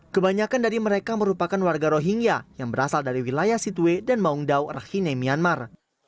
kebanyakan dari mereka merupakan warga rohingya yang berasal dari wilayah sitwe dan maungdaw rakhine myanmar